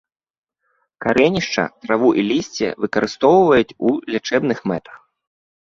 Карэнішча, траву і лісце выкарыстоўваюць у лячэбных мэтах.